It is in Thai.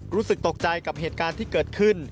รู้สึกตกใจกับเหตุการณ์ที่เกิดขึ้น